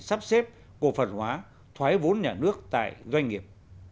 sắp xếp cổ phần hóa thoái vốn nhà nước tại doanh nghiệp